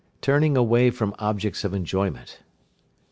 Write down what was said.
Turning away from objects of enjoyment.